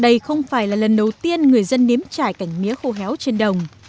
đây không phải là lần đầu tiên người dân nếm trải cảnh mía khô héo trên đồng